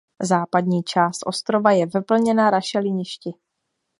Západní část ostrova je vyplněna rašeliništi.